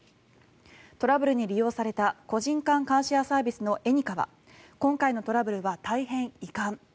トラブルに利用された個人間カーシェアリングのエニカは今回のトラブルは大変遺憾。